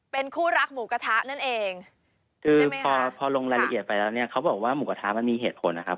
เป็นคู่รักหมูกระทะนั่นเองคือพอพอลงรายละเอียดไปแล้วเนี่ยเขาบอกว่าหมูกระทะมันมีเหตุผลนะครับ